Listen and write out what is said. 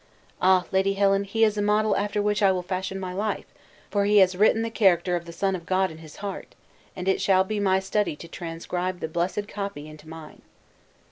Ah! Lady Helen, he is a model after which I will fashion my life; for he has written the character of the Son of God in his heart, and it shall be my study to transcribe the blessed copy into mine!"